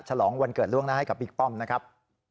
ฉลองวันเกิดล่วงนะครับให้กับอีกป้อมนะครับ